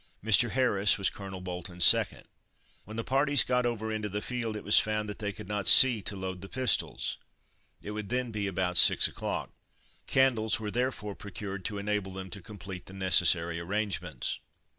Mr. Harris was Colonel Bolton's second. When the parties got over into the field it was found that they could not see to load the pistols. It would then be about six o'clock. Candles were therefore procured to enable them to complete the necessary arrangements.